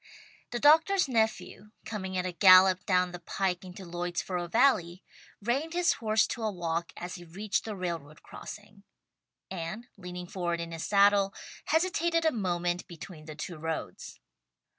The doctor's nephew coming at a gallop down the pike into Lloydsboro Valley, reined his horse to a walk as he reached the railroad crossing, and leaning forward in his saddle, hesitated a moment between the two roads.